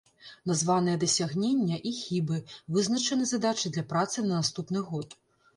Названыя дасягнення і хібы, вызначаны задачы для працы на наступны год.